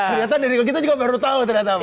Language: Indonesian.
ternyata dari kita juga baru tahu ternyata apa